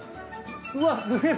うわっすげぇ